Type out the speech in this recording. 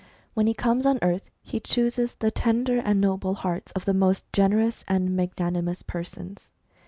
When he comes on earth he chooses the tender and noble hearts of the most generous and magnanimous persons.